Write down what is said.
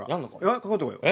かかってこいよ。